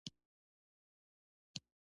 له میلاده شاوخوا نهه نیم زره کاله مخکې پیل شول.